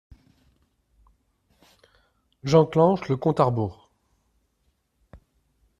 J’enclenche le compte à rebours.